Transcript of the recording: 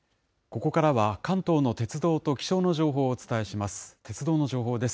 ここからは関東の鉄道と気象の情報をお伝えします。